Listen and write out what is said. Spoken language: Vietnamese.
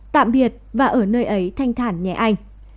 tạm biệt và ở nơi ấy thanh thản nhà anh